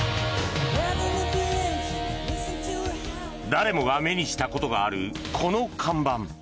誰もが目にしたことがあるこの看板。